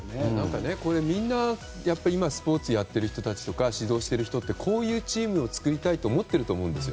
みんなスポーツやっている人たちとか指導している人はこういうチームを作りたいと思っていると思うんです。